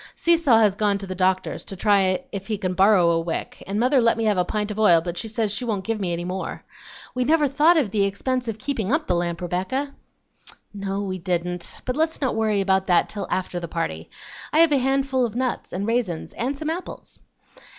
Seesaw has gone to the doctor's to try if he can borrow a wick, and mother let me have a pint of oil, but she says she won't give me any more. We never thought of the expense of keeping up the lamp, Rebecca." "No, we didn't, but let's not worry about that till after the party. I have a handful of nuts and raisins and some apples."